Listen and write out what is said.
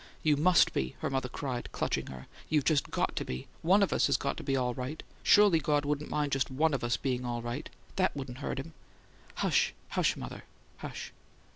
"You MUST be!" her mother cried, clutching her. "You've just GOT to be! ONE of us has got to be all right surely God wouldn't mind just ONE of us being all right that wouldn't hurt Him " "Hush, hush, mother! Hush!"